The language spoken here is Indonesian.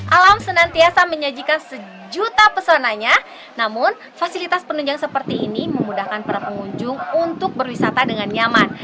alam senantiasa menyajikan sejuta pesonanya namun fasilitas penunjang seperti ini memudahkan para pengunjung untuk berwisata dengan nyaman